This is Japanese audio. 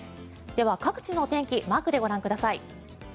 では、各地のお天気マークでご覧ください。